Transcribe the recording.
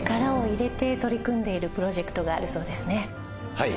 はい。